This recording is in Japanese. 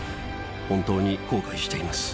本当に後悔しています。